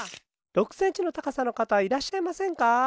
６センチの高さの方いらっしゃいませんか？